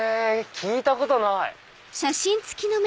聞いたことない！